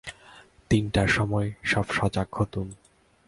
তিনটার সময় সব সজাগ হতুম।